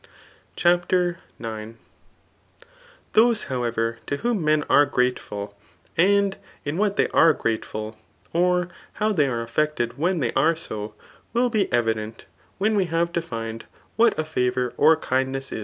CHAPTER IX . Those^ however, to whom men are grateful, spad in what they are grateful, or how they are affected when they are so, will be evident when we have defined what a favour or kindness ^.